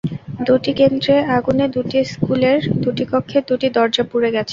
দুটি কেন্দ্রে আগুনে দুটি স্কুলের দুটি কক্ষের দুটি দরজা পুড়ে গেছে।